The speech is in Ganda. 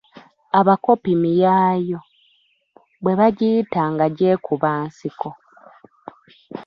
Abakopi miyaayu, bwe bagiyita nga gye kuba nsiko.